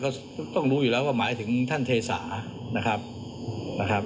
ก็ต้องรู้อยู่แล้วว่าหมายถึงท่านเทสานะครับนะครับ